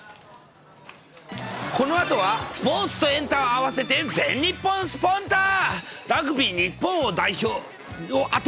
このあとはスポーツとエンタを合わせて全日本スポンタっ！